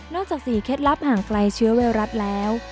นอกจากสี่เคล็ดลับห่างไกลเชื้อเวลารัฐแล้ว